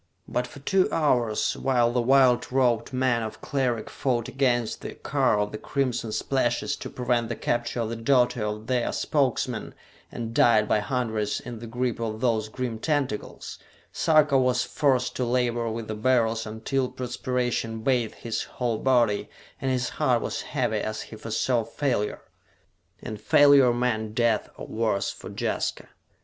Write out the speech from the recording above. But for two hours, while the white robed men of Cleric fought against the car of the crimson splashes to prevent the capture of the daughter of their Spokesman and died by hundreds in the grip of those grim tentacles Sarka was forced to labor with the Beryls until perspiration bathed his whole body and his heart was heavy as he foresaw failure. And failure meant death or worse for Jaska.